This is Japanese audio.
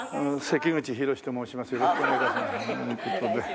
関口宏と申します。